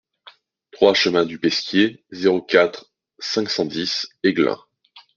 trois chemin du Pesquier, zéro quatre, cinq cent dix Aiglun